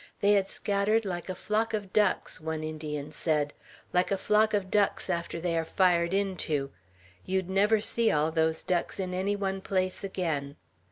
They had scattered "like a flock of ducks," one Indian said, "like a flock of ducks after they are fired into. You'd never see all those ducks in any one place again.